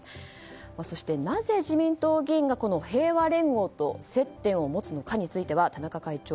そして、なぜ自民党議員がこの平和連合と接点を持つのかについては田中会長